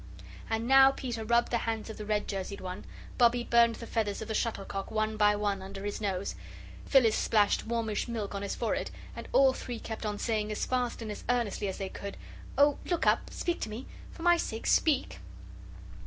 And now Peter rubbed the hands of the red jerseyed one. Bobbie burned the feathers of the shuttlecock one by one under his nose, Phyllis splashed warmish milk on his forehead, and all three kept on saying as fast and as earnestly as they could: "Oh, look up, speak to me! For my sake, speak!"